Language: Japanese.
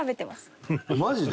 マジで？